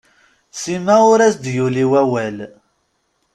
Sima ur as-d-yuli awawl.